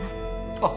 あっ